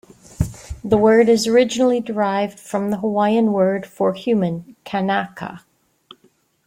The word is originally derived from the Hawaiian word for human, "kanaka".